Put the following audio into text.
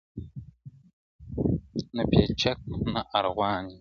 • نه پېچک نه ارغوان یم -